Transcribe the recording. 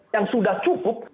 yang sudah cukup